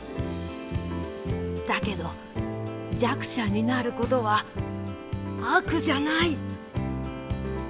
だけど弱者になることは悪じゃない。